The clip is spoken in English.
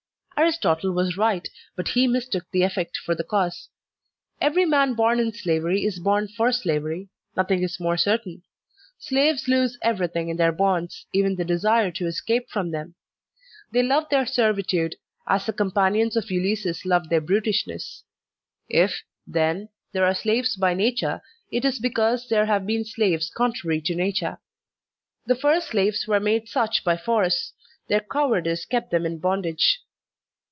Aristotle was right, but he mistook the efiEect for the cause. Every man bom in slavery is bom for slavery; nothing is more certain. Slaves lose everything in their bonds, even the desire to escape from them; they love their servitude as the companions of Ulysses loved their brutishness. If, then, there are slaves by nature, it is because there have been slaves contrary to nature. The first slaves were made such by force; their cowardice kept them in bondagfe.